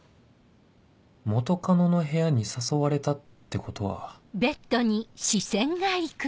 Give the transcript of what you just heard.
元カノの部屋に誘われたってことは